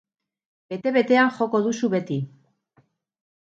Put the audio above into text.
Bete-betean joko duzu beti.